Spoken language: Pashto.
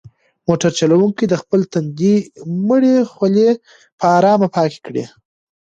موټر چلونکي د خپل تندي مړې خولې په ارامه پاکې کړې.